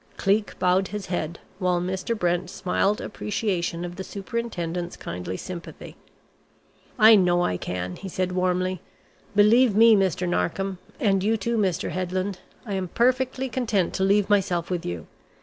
Cleek bowed his head, while Mr. Brent smiled appreciation of the Superintendent's kindly sympathy. "I know I can," he said warmly. "Believe me, Mr. Narkom, and you, too, Mr. Headland, I am perfectly content to leave myself with you.